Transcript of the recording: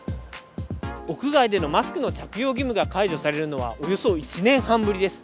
屋外でのマスクの着用義務が解除されるのはおよそ１年半ぶりです。